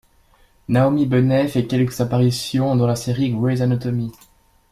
Naomi Bennett fait quelques apparitions dans la série Grey's Anatomy.